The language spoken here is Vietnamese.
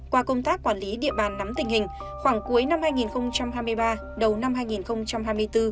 qua công tác quản lý địa bàn nắm tình hình khoảng cuối năm hai nghìn hai mươi ba đầu năm hai nghìn hai mươi bốn